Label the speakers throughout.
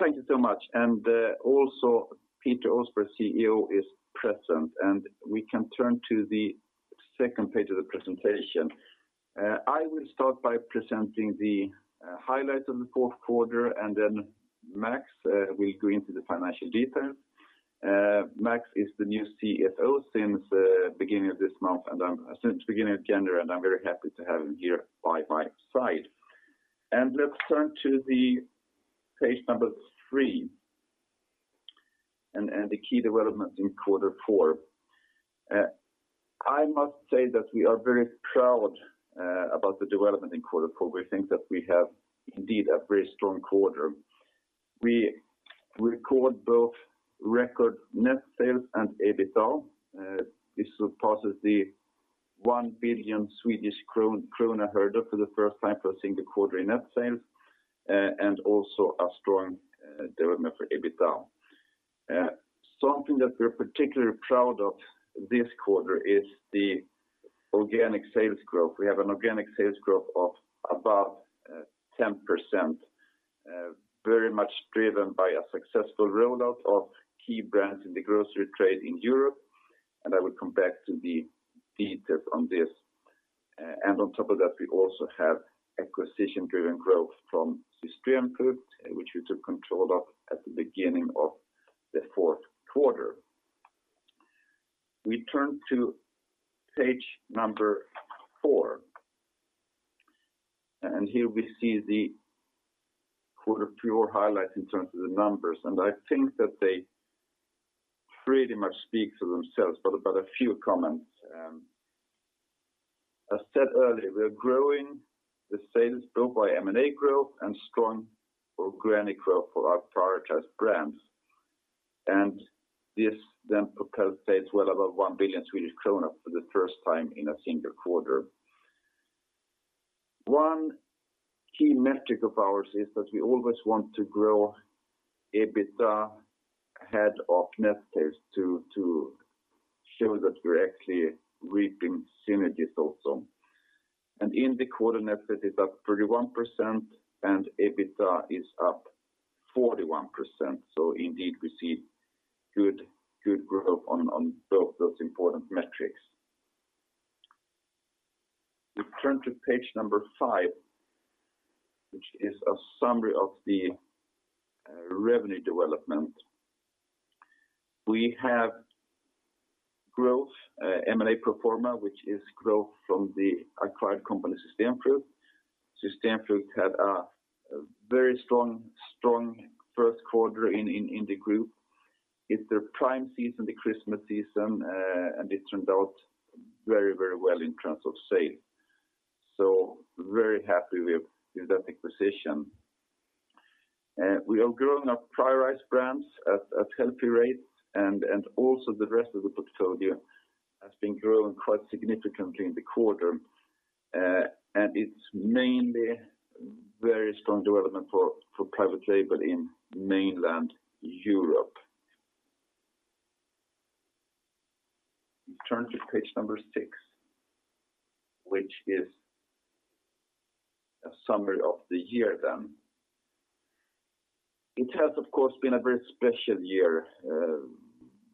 Speaker 1: Thank you so much. Also, Peter Åsberg, CEO, is present, and we can turn to the second page of the presentation. I will start by presenting the highlights of the fourth quarter, and then Max will go into the financial details. Max is the new CFO since the beginning of this month, since the beginning of January, and I'm very happy to have him here by my side. Let's turn to page number three, and the key developments in quarter four. I must say that we are very proud about the development in quarter four. We think that we have indeed a very strong quarter. We record both record net sales and EBITDA. This surpasses the 1 billion Swedish krona hurdle for the first time for a single quarter in net sales, and also a strong development for EBITDA. Something that we're particularly proud of this quarter is the organic sales growth. We have an organic sales growth of above 10%, very much driven by a successful rollout of key brands in the grocery trade in Europe. I will come back to the details on this. On top of that, we also have acquisition-driven growth from System Frugt, which we took control of at the beginning of the fourth quarter. We turn to page number four. Here we see the quarter four highlights in terms of the numbers, and I think that they pretty much speak for themselves. A few comments. As said earlier, we are growing the sales both by M&A growth and strong organic growth for our prioritized brands. This then percolates well above 1 billion Swedish kronor for the first time in a single quarter. One key metric of ours is that we always want to grow EBITDA ahead of net sales to show that we're actually reaping synergies also. In the quarter, net sales is up 31% and EBITDA is up 41%. Indeed, we see good growth on both those important metrics. We turn to page number five, which is a summary of the revenue development. We have growth, M&A pro forma, which is growth from the acquired company, System Frugt. System Frugt had a very strong first quarter in the group. It's their prime season, the Christmas season, and it turned out very well in terms of sale. Very happy with that acquisition. We are growing our prioritized brands at healthy rates, and also the rest of the portfolio has been growing quite significantly in the quarter. It's mainly very strong development for private label in mainland Europe. We turn to page number six, which is a summary of the year then. It has, of course, been a very special year,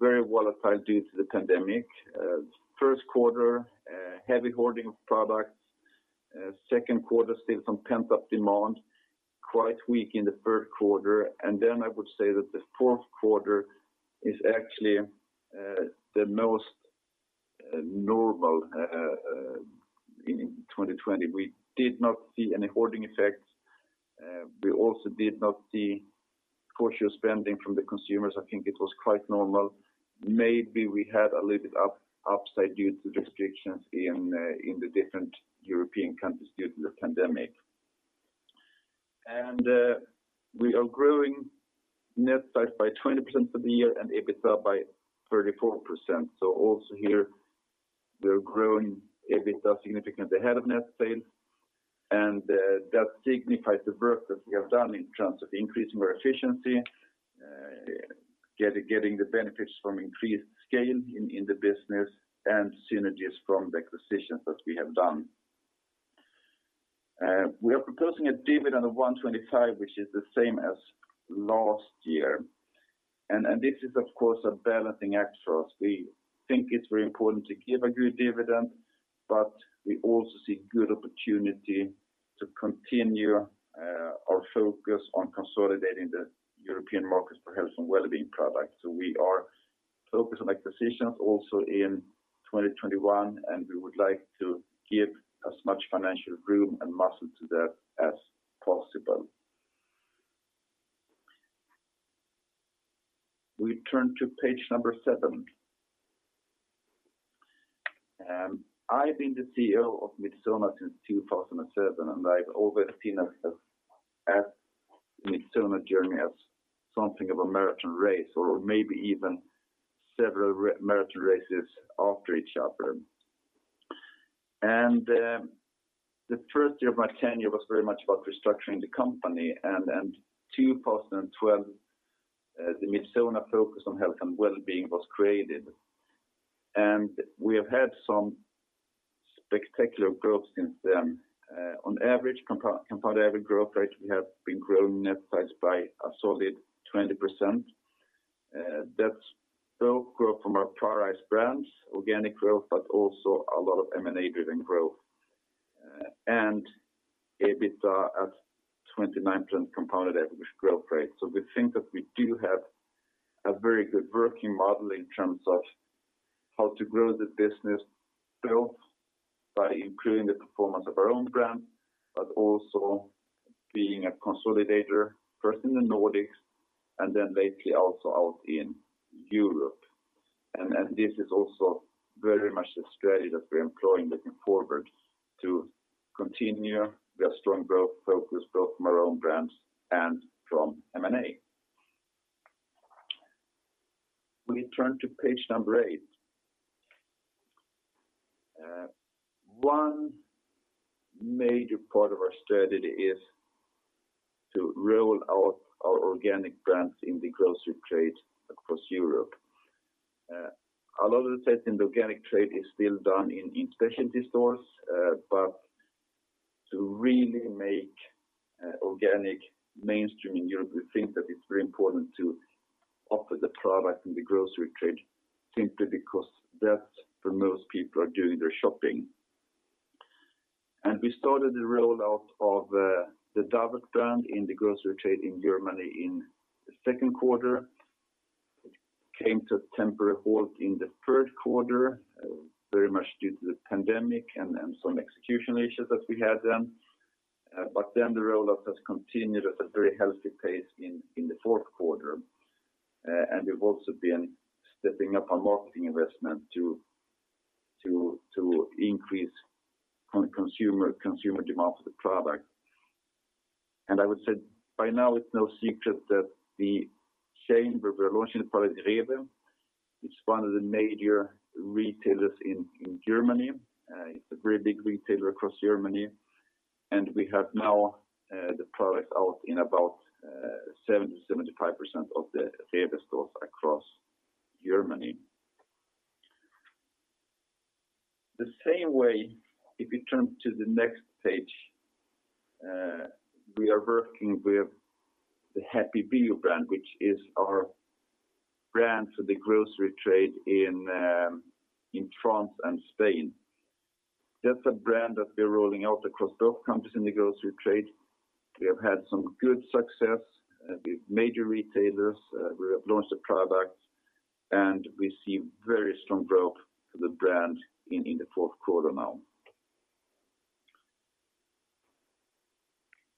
Speaker 1: very volatile due to the pandemic. First quarter, heavy hoarding of products. Second quarter, still some pent-up demand. Quite weak in the third quarter. Then I would say that the fourth quarter is actually the most normal in 2020. We did not see any hoarding effects. We also did not see cautious spending from the consumers. I think it was quite normal. Maybe we had a little bit upside due to restrictions in the different European countries due to the pandemic. We are growing net sales by 20% for the year and EBITDA by 34%. Also here, we are growing EBITDA significantly ahead of net sales, and that signifies the work that we have done in terms of increasing our efficiency, getting the benefits from increased scale in the business, and synergies from the acquisitions that we have done. We are proposing a dividend of 1.25, which is the same as last year. This is, of course, a balancing act for us. We think it's very important to give a good dividend, but we also see good opportunity to continue our focus on consolidating the European markets for health and well-being products. We are focused on acquisitions also in 2021, and we would like to give as much financial room and muscle to that as possible. We turn to page number seven. I've been the CEO of Midsona since 2007, and I've always seen us as Midsona journey as something of a marathon race, or maybe even several marathon races after each other. The first year of my tenure was very much about restructuring the company, and then 2012, the Midsona focus on health and wellbeing was created. We have had some spectacular growth since then. On average, compounded average growth rate, we have been growing net sales by a solid 20%. That's both growth from our prioritized brands, organic growth, but also a lot of M&A-driven growth. EBITDA at 29% compounded average growth rate. We think that we do have a very good working model in terms of how to grow the business both by improving the performance of our own brand, but also being a consolidator, first in the Nordics, and then lately also out in Europe. This is also very much the strategy that we're employing looking forward to continue our strong growth focus both from our own brands and from M&A. We turn to page number eight. One major part of our strategy is to roll out our organic brands in the grocery trade across Europe. A lot of the sales in the organic trade is still done in specialty stores, but to really make organic mainstream in Europe, we think that it's very important to offer the product in the grocery trade simply because that's where most people are doing their shopping. We started the rollout of the Davert brand in the grocery trade in Germany in the second quarter. It came to a temporary halt in the third quarter, very much due to the pandemic and some execution issues that we had then. The rollout has continued at a very healthy pace in the fourth quarter. We've also been stepping up our marketing investment to increase consumer demand for the product. I would say by now it's no secret that the chain where we're launching the product, REWE, is one of the major retailers in Germany. It's a very big retailer across Germany. We have now the product out in about 70%-75% of the REWE stores across Germany. The same way, if you turn to the next page, we are working with the Happy Bio brand, which is our brand for the grocery trade in France and Spain. That's a brand that we're rolling out across both countries in the grocery trade. We have had some good success with major retailers. We have launched the product, and we see very strong growth for the brand in the fourth quarter now.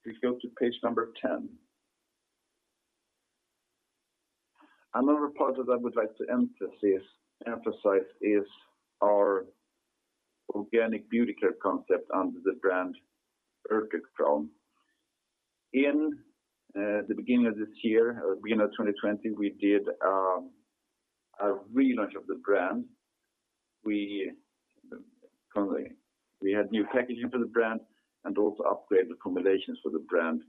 Speaker 1: If you go to page number 10. Another part that I would like to emphasize is our organic beauty care concept under the brand Urtekram. In the beginning of this year, beginning of 2020, we did a relaunch of the brand. We had new packaging for the brand and also upgraded the formulations for the brand.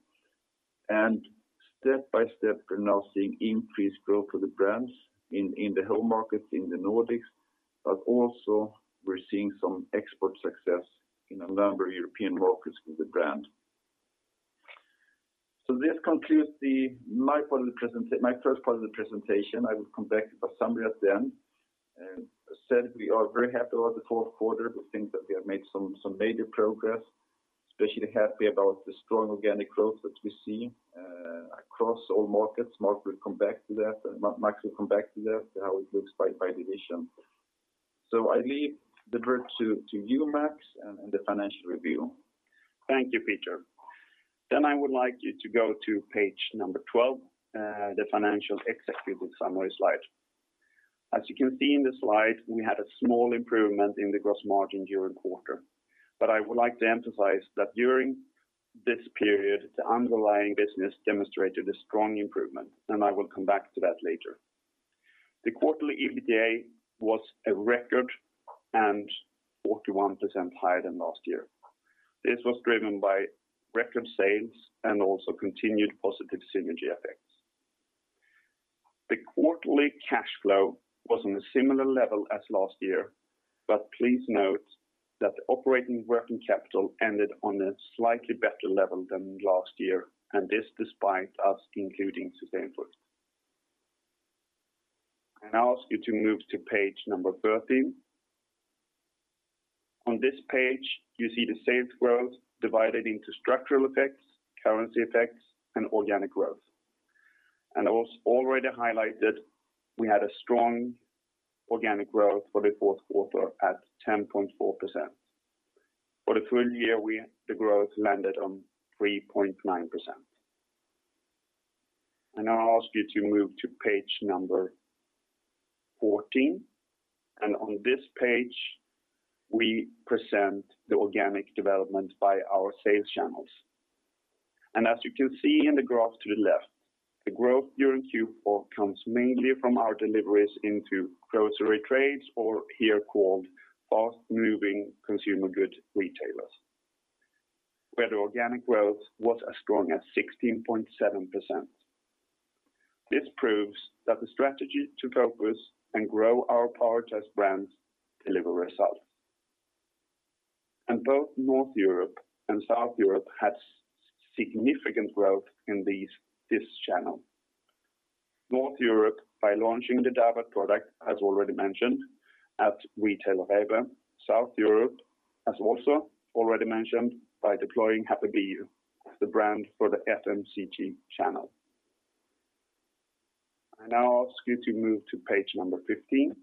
Speaker 1: Step by step, we're now seeing increased growth for the brands in the home markets in the Nordics, but also we're seeing some export success in a number of European markets with the brand. This concludes my first part of the presentation. I will come back for summary at the end. As I said, we are very happy about the fourth quarter. We think that we have made some major progress, especially happy about the strong organic growth that we see across all markets. Max will come back to that, how it looks by division. I leave the brief to you, Max, and the financial review.
Speaker 2: Thank you, Peter. I would like you to go to page number 12, the financial executive summary slide. As you can see in the slide, we had a small improvement in the gross margin during the quarter. I would like to emphasize that during this period, the underlying business demonstrated a strong improvement, and I will come back to that later. The quarterly EBITDA was a record and 41% higher than last year. This was driven by record sales and also continued positive synergy effects. The quarterly cash flow was on a similar level as last year, please note that operating working capital ended on a slightly better level than last year, and this despite us including System Frugt. I now ask you to move to page number 13. On this page, you see the sales growth divided into structural effects, currency effects, and organic growth. I also already highlighted we had a strong organic growth for the fourth quarter at 10.4%. For the full year, the growth landed on 3.9%. Now I ask you to move to page number 14. On this page, we present the organic development by our sales channels. As you can see in the graph to the left, the growth during Q4 comes mainly from our deliveries into grocery trades, or here called fast-moving consumer good retailers. Where the organic growth was as strong as 16.7%. This proves that the strategy to focus and grow our prioritized brands deliver results. Both North Europe and South Europe had significant growth in this channel. North Europe by launching the Davert product, as already mentioned, at retailer REWE. South Europe, as also already mentioned, by deploying Happy Bio, the brand for the FMCG channel. I now ask you to move to page number 15.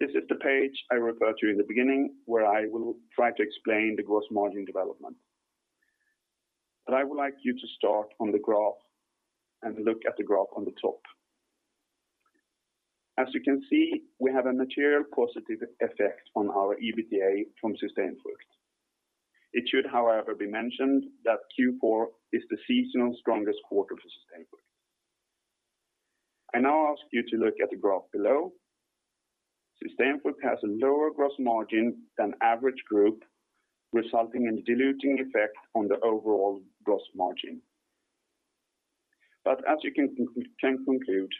Speaker 2: This is the page I referred to in the beginning, where I will try to explain the gross margin development. I would like you to start on the graph and look at the graph on the top. As you can see, we have a material positive effect on our EBITDA from Sustainfood. It should, however, be mentioned that Q4 is the seasonal strongest quarter for Sustainfood. I now ask you to look at the graph below. Sustainfood has a lower gross margin than average group, resulting in a diluting effect on the overall gross margin. As you can conclude,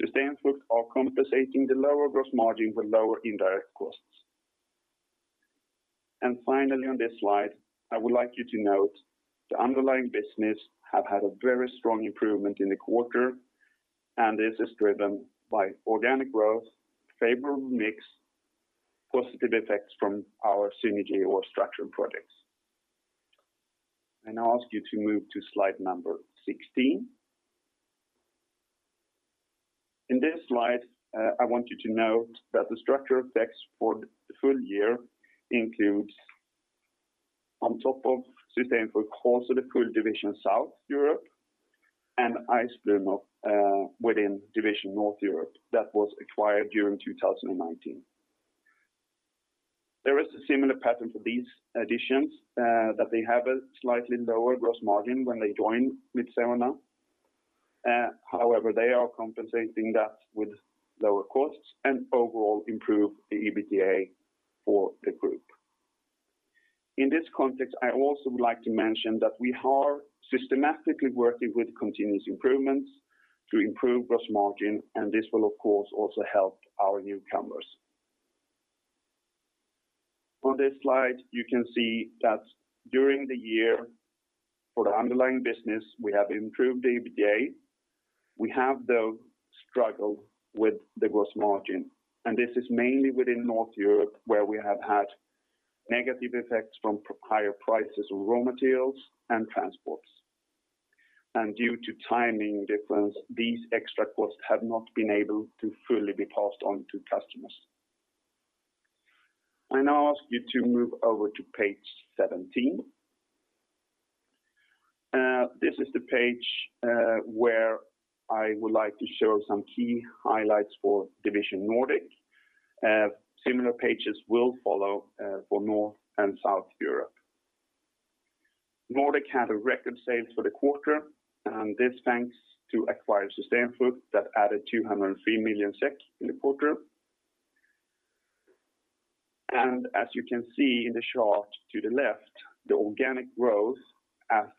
Speaker 2: System Frugt are compensating the lower gross margin with lower indirect costs. Finally, on this slide, I would like you to note the underlying business have had a very strong improvement in the quarter, and this is driven by organic growth, favorable mix, positive effects from our synergy or structural projects. I now ask you to move to slide number 16. In this slide, I want you to note that the structural effects for the full year includes, on top of Sustainfood, also the full division South Europe and Eisblümerl within division North Europe that was acquired during 2019. There is a similar pattern for these additions that they have a slightly lower gross margin when they join Midsona. However, they are compensating that with lower costs and overall improve the EBITDA for the group. In this context, I also would like to mention that we are systematically working with continuous improvements to improve gross margin, and this will, of course, also help our newcomers. On this slide, you can see that during the year for the underlying business, we have improved EBITDA. We have, though, struggled with the gross margin, and this is mainly within North Europe, where we have had negative effects from higher prices of raw materials and transports. Due to timing difference, these extra costs have not been able to fully be passed on to customers. I now ask you to move over to page 17. This is the page where I would like to show some key highlights for division Nordic. Similar pages will follow for North and South Europe. Nordic had a record sales for the quarter, and this thanks to acquired System Frugt that added 203 million SEK in the quarter. As you can see in the chart to the left, the organic growth at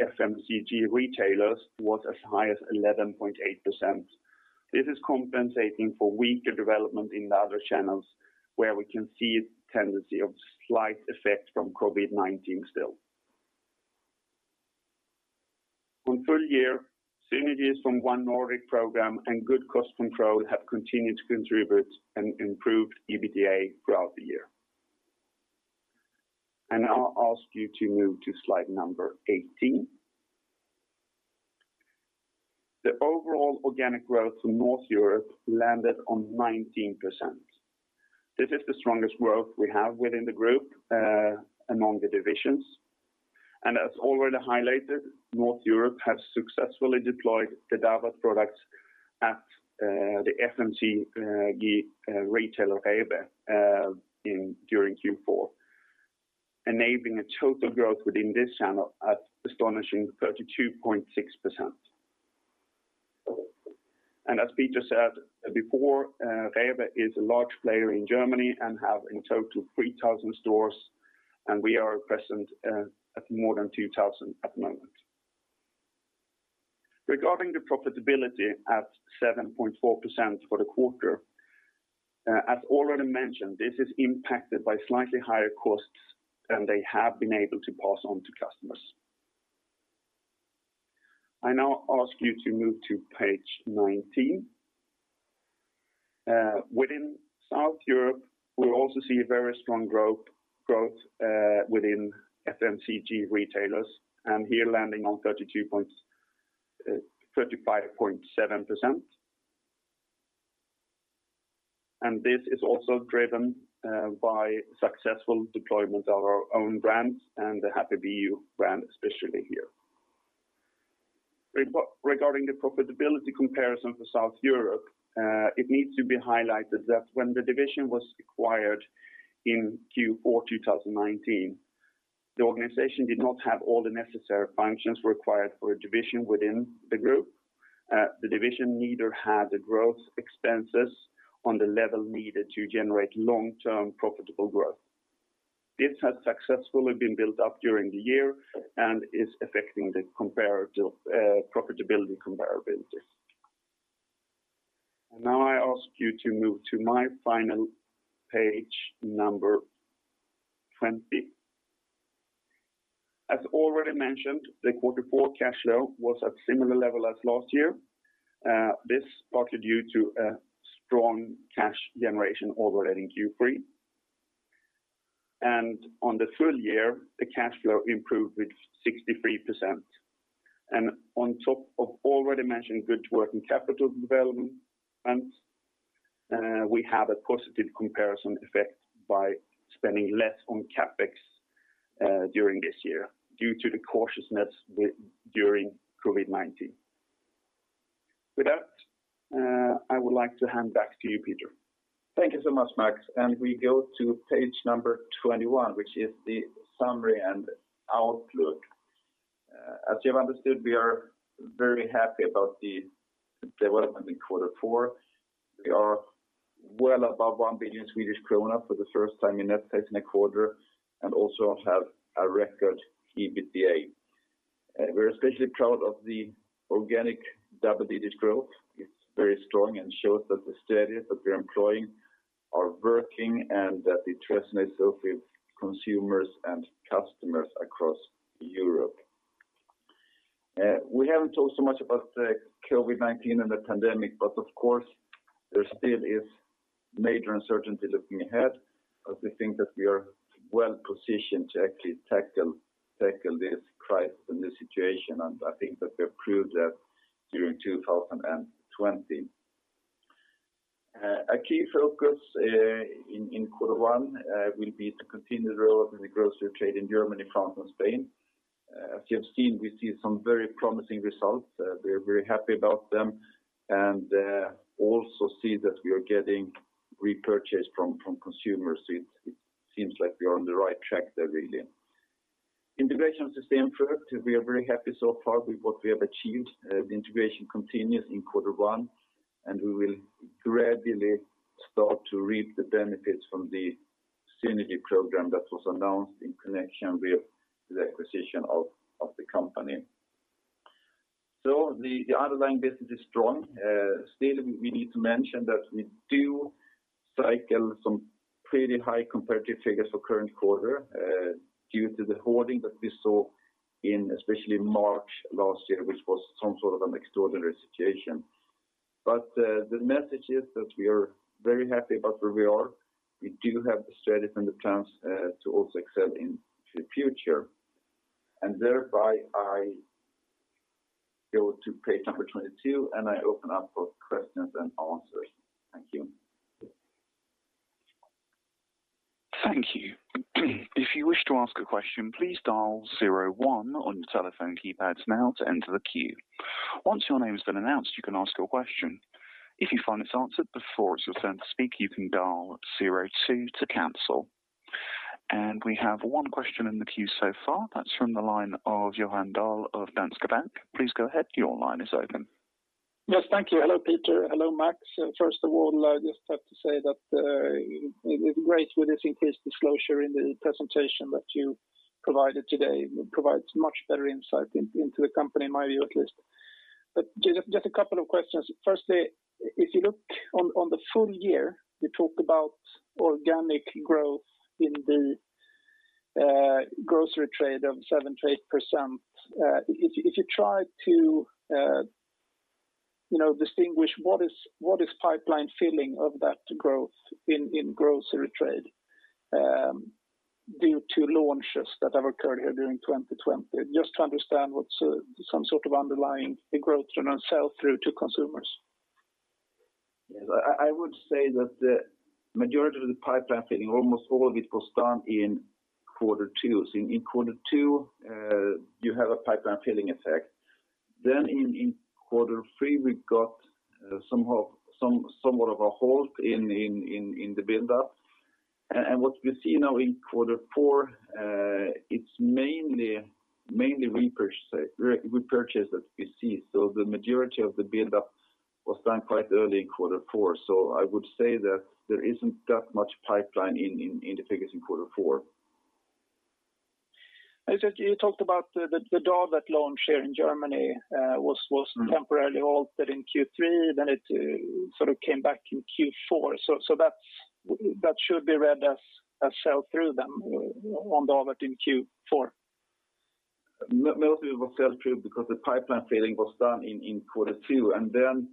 Speaker 2: FMCG retailers was as high as 11.8%. This is compensating for weaker development in the other channels, where we can see a tendency of slight effect from COVID-19 still. On full year, synergies from One Nordic program and good cost control have continued to contribute and improved EBITDA throughout the year. I now ask you to move to slide number 18. The overall organic growth from North Europe landed on 19%. This is the strongest growth we have within the group among the divisions. As already highlighted, North Europe has successfully deployed the Davert products at the FMCG retailer REWE during Q4, enabling a total growth within this channel at astonishing 32.6%. As Peter said before, REWE is a large player in Germany and have in total 3,000 stores, and we are present at more than 2,000 at the moment. Regarding the profitability at 7.4% for the quarter, as already mentioned, this is impacted by slightly higher costs than they have been able to pass on to customers. I now ask you to move to page 19. Within South Europe, we also see a very strong growth within FMCG retailers, and here landing on 35.7%. This is also driven by successful deployment of our own brands and the Happy Bio brand, especially here. Regarding the profitability comparison for South Europe, it needs to be highlighted that when the division was acquired in Q4 2019, the organization did not have all the necessary functions required for a division within the group. The division neither had the growth expenses on the level needed to generate long-term profitable growth. This has successfully been built up during the year and is affecting the profitability comparability. Now I ask you to move to my final page, number 20. As already mentioned, the quarter four cash flow was at similar level as last year. This partly due to a strong cash generation already in Q3. On the full year, the cash flow improved with 63%. On top of already mentioned good working capital developments, we have a positive comparison effect by spending less on CapEx during this year due to the cautiousness during COVID-19. With that, I would like to hand back to you, Peter.
Speaker 1: Thank you so much, Max. We go to page number 21, which is the summary and outlook. As you have understood, we are very happy about the development in quarter four. We are well above 1 billion Swedish kronor for the first time in Net-Net in a quarter, and also have a record EBITDA. We're especially proud of the organic double-digit growth. It's very strong and shows that the strategies that we're employing are working and that it resonates with consumers and customers across Europe. We haven't talked so much about COVID-19 and the pandemic, but of course, there still is major uncertainty looking ahead, but we think that we are well-positioned to actually tackle this crisis and the situation, and I think that we have proved that during 2020. A key focus in quarter one will be to continue the relevant grocery trade in Germany, France, and Spain. As you have seen, we see some very promising results. We're very happy about them and also see that we are getting repurchase from consumers. It seems like we are on the right track there, really. Integration System Frugt, we are very happy so far with what we have achieved. The integration continues in quarter one and we will gradually start to reap the benefits from the synergy program that was announced in connection with the acquisition of the company. The underlying business is strong. Still, we need to mention that we do cycle some pretty high comparative figures for current quarter due to the hoarding that we saw in especially March last year, which was some sort of an extraordinary situation. The message is that we are very happy about where we are. We do have the strategy and the plans to also excel in the future. Thereby, I go to page number 22, and I open up for questions and answers. Thank you.
Speaker 3: Thank you. If you wish to ask a question, please dial zero one on your telephone keypads now to enter the queue. Once your name has been announced, you can ask your question. If you find it's answered before it's your turn to speak, you can dial zero two to cancel. We have one question in the queue so far. That's from the line of Johan Dahl of Danske Bank. Please go ahead. Your line is open.
Speaker 4: Yes. Thank you. Hello, Peter Åsberg. Hello, Max. First of all, I just have to say that it was great with this increased disclosure in the presentation that you provided today. It provides much better insight into the company, in my view at least. Just a couple of questions. Firstly, if you look on the full year, you talked about organic growth in the grocery trade of 7% to 8%. If you try to distinguish what is pipeline filling of that growth in grocery trade due to launches that have occurred here during 2020? Just to understand what's some sort of underlying growth from our sell-through to consumers.
Speaker 1: Yes, I would say that the majority of the pipeline filling, almost all of it, was done in quarter two. In quarter two, you have a pipeline filling effect. In quarter three, we got somewhat of a halt in the buildup. What we see now in quarter four, it's mainly repurchase that we see. The majority of the buildup was done quite early in quarter four. I would say that there isn't that much pipeline in the figures in quarter four.
Speaker 4: You talked about the Davert that launched here in Germany was temporarily halted in Q3, then it sort of came back in Q4. That should be read as a sell-through then on Davert in Q4.
Speaker 1: Mostly it was sell-through because the pipeline filling was done in quarter two, and then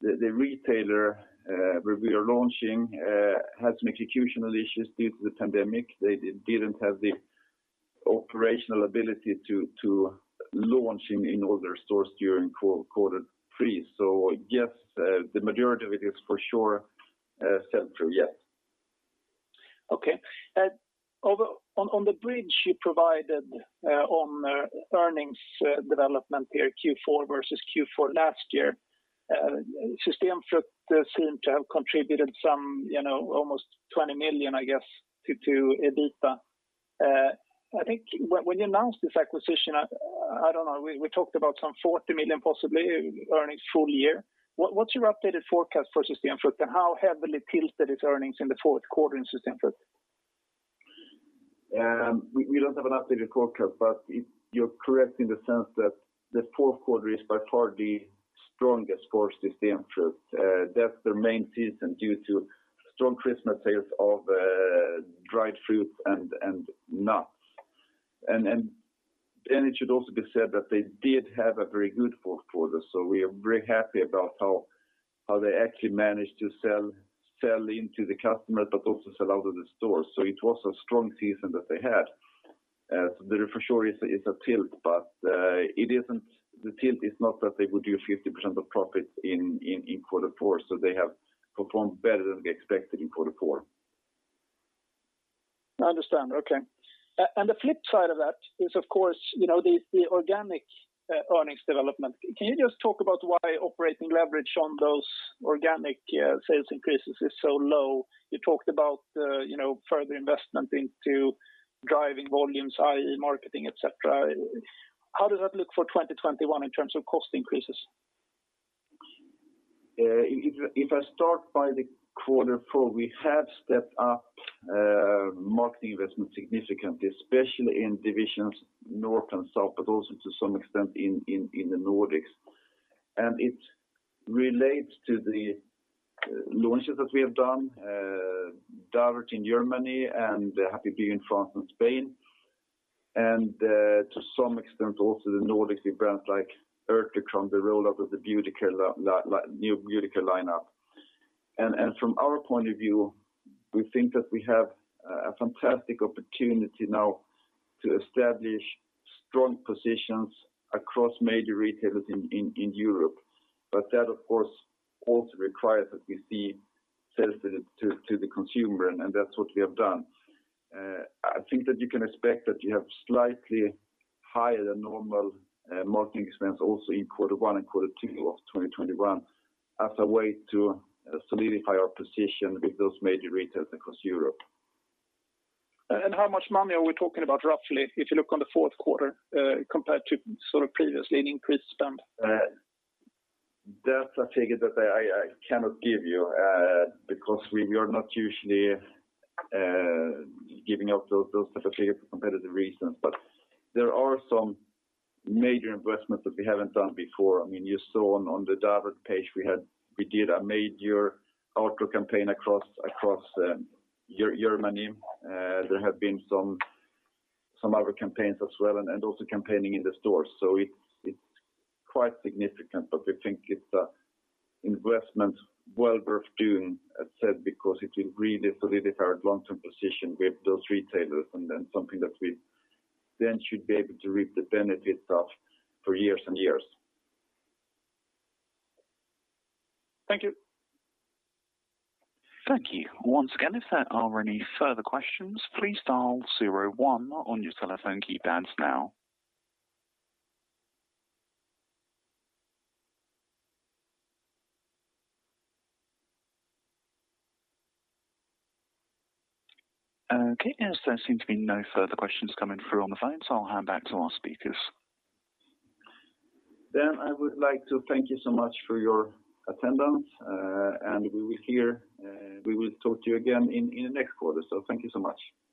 Speaker 1: the retailer where we are launching had some executional issues due to the pandemic. They didn't have the operational ability to launch in all their stores during quarter three. Yes, the majority of it is for sure sell-through, yes.
Speaker 4: Okay. On the bridge you provided on earnings development here, Q4 versus Q4 last year, System Frugt seem to have contributed almost 20 million, I guess, to EBITDA. I think when you announced this acquisition, I don't know, we talked about some 40 million possibly earnings full year. What's your updated forecast for System Frugt and how heavily tilted its earnings in the fourth quarter in System Frugt?
Speaker 1: We don't have an updated forecast, but you're correct in the sense that the fourth quarter is by far the strongest for System Frugt. That's their main season due to strong Christmas sales of dried fruit and nuts. It should also be said that they did have a very good fourth quarter, so we are very happy about how they actually managed to sell into the customer, but also sell out of the stores. It was a strong season that they had. There for sure is a tilt, but the tilt is not that they would do 50% of profits in quarter four, so they have performed better than we expected in quarter four.
Speaker 4: I understand. Okay. The flip side of that is, of course, the organic earnings development. Can you just talk about why operating leverage on those organic sales increases is so low? You talked about further investment into driving volumes, i.e. marketing, et cetera. How does that look for 2021 in terms of cost increases?
Speaker 1: If I start by the quarter four, we have stepped up marketing investment significantly, especially in divisions North and South, but also to some extent in the Nordics. It relates to the launches that we have done, Davert in Germany and Happy Bio in France and Spain, and to some extent also the Nordics with brands like Urtekram, the rollout of the new Beauty Care lineup. From our point of view, we think that we have a fantastic opportunity now to establish strong positions across major retailers in Europe. That, of course, also requires that we see sales to the consumer, and that's what we have done. I think that you can expect that you have slightly higher than normal marketing expense also in quarter one and quarter two of 2021 as a way to solidify our position with those major retailers across Europe.
Speaker 4: How much money are we talking about roughly if you look on the fourth quarter compared to previously an increased spend?
Speaker 1: That's a figure that I cannot give you because we are not usually giving out those type of figures for competitive reasons. There are some major investments that we haven't done before. You saw on the Davert page we did a major outdoor campaign across Germany. There have been some other campaigns as well, and also campaigning in the stores. It's quite significant, but we think it's an investment well worth doing, as said, because it will really solidify our long-term position with those retailers and then something that we then should be able to reap the benefits of for years and years.
Speaker 4: Thank you.
Speaker 3: Thank you. Once again, if there are any further questions, please dial zero one on your telephone keypads now. Okay, as there seem to be no further questions coming through on the phone, so I'll hand back to our speakers.
Speaker 1: I would like to thank you so much for your attendance, and we will talk to you again in the next quarter. Thank you so much.
Speaker 4: Thank you.